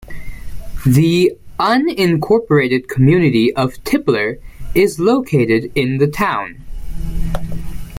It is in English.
The unincorporated community of Tipler is located in the town.